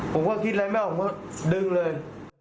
ผมก็คิดอะไรไม่ออกก็ดึงเลย